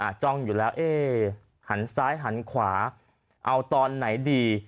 จ้องอยู่แล้วเอ๊หันซ้ายหันขวาเอาตอนไหนดี